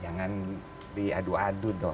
jangan diadu adu dong